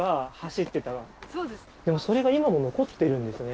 でもそれが今も残ってるんですね。